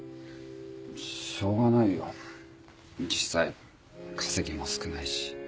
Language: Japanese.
しょうがないよ実際稼ぎも少ないし。